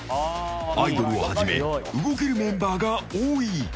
アイドルをはじめ動けるメンバーが多い。